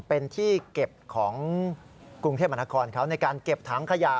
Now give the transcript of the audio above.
เป็นที่เก็บของกรุงเทพมหานครเขาในการเก็บถังขยะ